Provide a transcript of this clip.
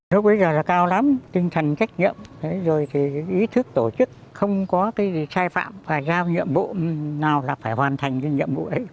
lúc ấy giờ là cao lắm tinh thần trách nhiệm ý thức tổ chức không có sai phạm và giao nhiệm vụ nào là phải hoàn thành nhiệm vụ ấy